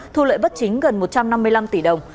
thu lợi bất chính gần một trăm năm mươi năm tỷ đồng